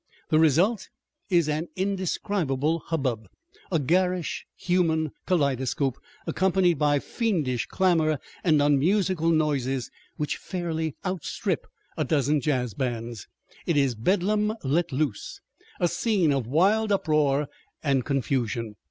The result is an indescribable hubbub; a garish human kaleidoscope, accompanied by fiendish clamor and unmusical noises which fairly outstrip a dozen jazz bands. It is bedlam let loose, a scene of wild uproar and confusion.